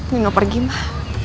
nino pergi mbah